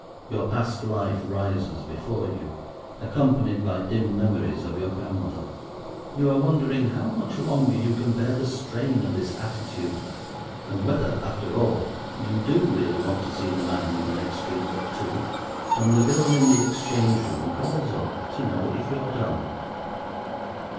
Your past life rises before you, accompanied by dim memories of your grandmother. You are wondering how much longer you can bear the strain of this attitude, and whether after all you do really want to see the man in the next street but two, when the girl in the exchange room calls up to know if you're done.